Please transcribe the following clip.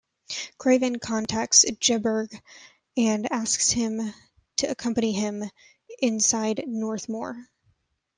Craven contacts Jedburgh and asks him to accompany him inside Northmoor.